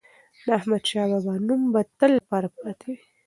د احمدشاه بابا نوم به د تل لپاره پاتې وي.